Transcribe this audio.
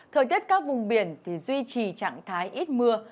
thời tiết các vùng biển thì duy trì trạng thái ít mưa